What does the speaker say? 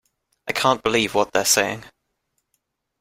I can't believe what they're saying.